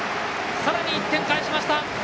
さらに１点返しました。